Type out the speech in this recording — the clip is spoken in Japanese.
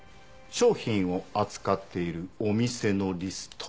商品を扱っているお店のリスト。